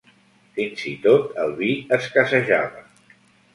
Fins i tot el vi escassejava